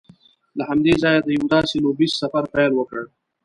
له همدې ځایه یې د یوه داسې لوبیز سفر پیل وکړ